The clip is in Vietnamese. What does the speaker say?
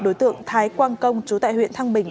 đối tượng thái quang công chú tại huyện thăng bình